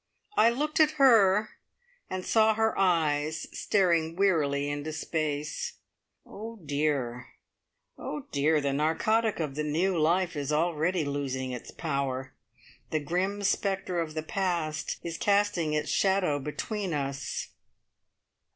I looked at her, and saw her eyes staring wearily into space. Oh dear, oh dear, the narcotic of the new life is already losing its power; the grim spectre of the past is casting its shadow between us!